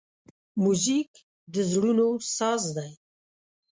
موزیک د زړونو ساز دی.